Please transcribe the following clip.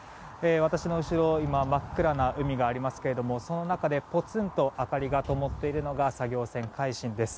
私の後ろ真っ暗な海がありますがその中でポツンと明かりがともっているのが作業船「海進」です。